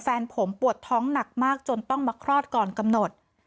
แฟนผมปวดท้องหนักมากจนต้องมาคลอดก่อนกำหนด